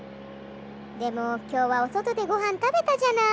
でもきょうはおそとでごはんたべたじゃない。